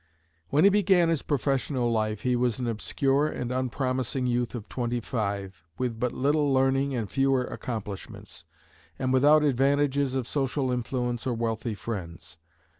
When he began his professional life he was an obscure and unpromising youth of twenty five, with but little learning and fewer accomplishments, and without advantages of social influence or wealthy friends.